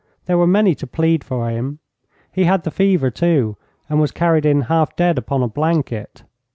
There were many to plead for him. He had the fever, too, and was carried in, half dead, upon a blanket.